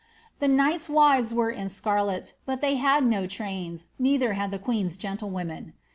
The knights' wives were in scarlet, but trains, neitlier had the queen's gentlewomen.